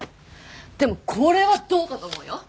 でもこれはどうかと思うよ。